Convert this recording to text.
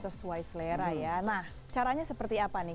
sesuai selera ya nah caranya seperti apa nih